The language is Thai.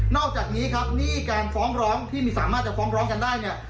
อกจากนี้ครับหนี้การฟ้องร้องที่สามารถจะฟ้องร้องกันได้เนี่ย